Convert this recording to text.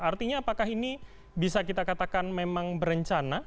artinya apakah ini bisa kita katakan memang berencana